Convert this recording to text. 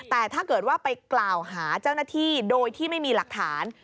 แต่ถ้าเกิดว่าไปกล่าวหาเจ้าหน้าที่โดยที่ไม่มีหลักฐาน